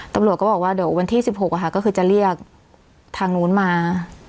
ตำรวจก็บอกว่าเดี๋ยววันที่๑๖ก็คือจะเรียกทางนู้นมา